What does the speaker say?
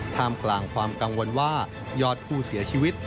ท่ามกลางความกังวลว่ายอดผู้เสียชีวิต